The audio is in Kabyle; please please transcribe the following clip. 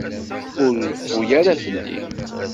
Ur reffu ara fell-i.